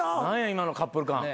今のカップル感。